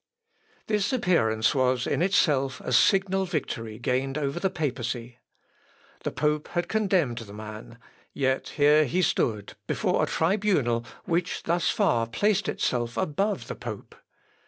This appearance was in itself a signal victory gained over the papacy. The pope had condemned the man; yet here he stood before a tribunal which thus far placed itself above the pope.